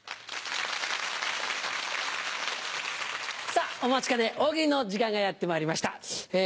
さぁお待ちかね大喜利の時間がやってまいりました。